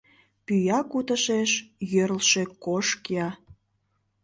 Пӱя кутышеш йӧрлшӧ кож кия.